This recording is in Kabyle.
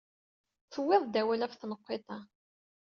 Tuwyeḍ-d awal ɣef tenqiḍt-a.